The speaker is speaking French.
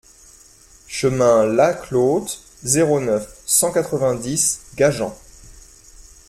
Chemin Las Clotes, zéro neuf, cent quatre-vingt-dix Gajan